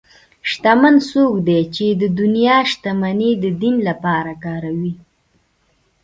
شتمن څوک دی چې د دنیا شتمني د دین لپاره کاروي.